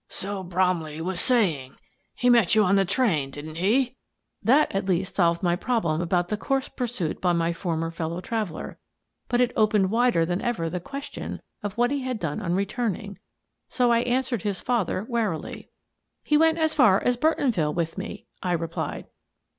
" So Bromley was sayin\ He met you on the train, didn't he?" That at least solved my problem about the course pursued by my former fellow traveller, but it opened wider than ever the question of what he had done on returning, so I answered his father warily. "He went as far as Burtonville with me," I replied.